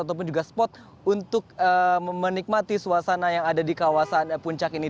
ataupun juga spot untuk menikmati suasana yang ada di kawasan puncak ini